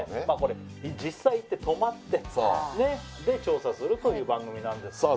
まあこれ実際行って泊まって調査するという番組なんです